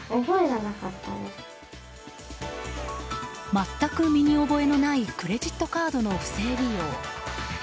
全く身に覚えのないクレジットカードの不正利用。